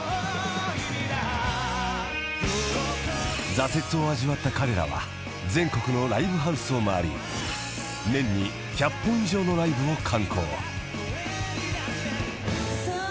［挫折を味わった彼らは全国のライブハウスを回り年に１００本以上のライブを敢行］